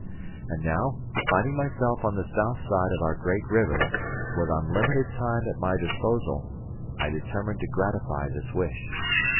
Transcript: And now, finding myself on the south side of our great river, with unlimited time at my disposal, I determined to gratify this wish.